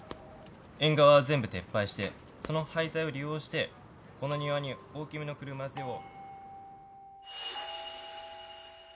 縁側は全部撤廃してその廃材を利用してこの庭に大きめの車寄せを。